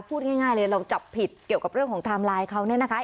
พูดง่ายเลยเราจับผิดเกี่ยวกับเรื่องของไทม์ไลน์เขาเนี่ยนะคะ